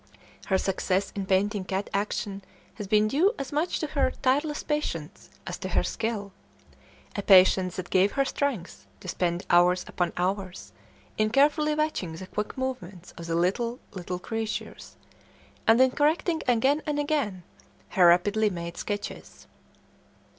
Her success in painting cat action has been due as much to her tireless patience as to her skill; a patience that gave her strength to spend hours upon hours in carefully watching the quick movements of the lithe little creatures, and in correcting again and again her rapidly made sketches.